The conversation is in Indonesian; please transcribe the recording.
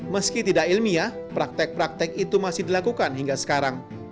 meski tidak ilmiah praktek praktek itu masih dilakukan hingga sekarang